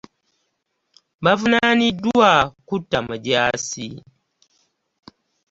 Bavunaaniddwa kutta mujaasi.